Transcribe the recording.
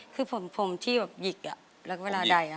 คือผมที่แบบหยิกแล้วก็เวลาใด